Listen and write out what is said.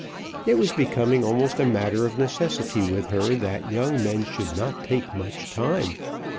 It was becoming almost a matter of necessity with her that young men should not take much time.